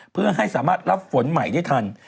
เพื่อให้สามารถรับฝนใหม่ได้ทัน